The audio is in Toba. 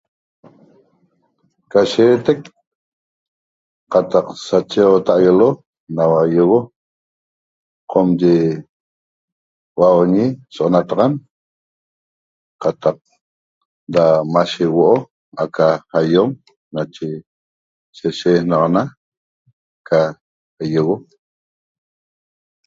Ca sheetec qataq sachegoxotaguelo naua iogo qomye hua'auñi so'onataxan qataq ra mashe huo'o aca aiom nache seshenaxana ca iogo